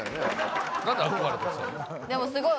でもすごい。